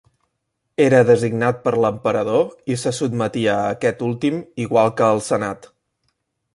Era designat per l'emperador i se sotmetia a aquest últim igual que al senat.